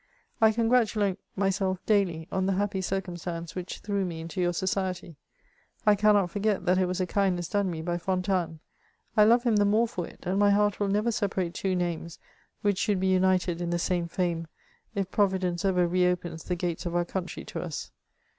^<I congratulate myself daily on the happy circumstance which threw me into your society ; I cannot foreet that it was a kindness done me by Fontanes ; I love him the more for it, and my heart will never separate two names which should be united in the same fame, if Providence ever re opens the gates of our country to us.